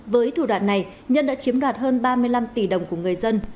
với thủ đoạn này nhân đã chiếm đoạt hơn ba mươi năm tỷ đồng của người dân